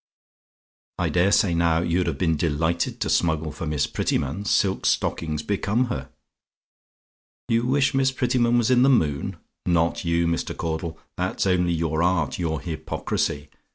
"I dare say now, you'd have been delighted to smuggle for Miss Prettyman? Silk stockings become her! "YOU WISH MISS PRETTYMAN WAS IN THE MOON? "Not you, Mr. Caudle; that's only your art your hypocrisy.